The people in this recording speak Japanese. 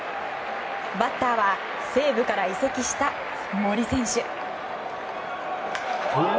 バッターは西武から移籍した森選手。